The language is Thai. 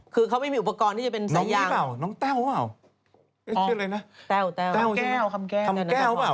คือเขาไม่มีอุปกรณ์ที่จะเป็นสายยางน้องนี่เปล่าน้องแต้วเหรอเปล่า